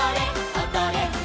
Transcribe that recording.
おどれ！」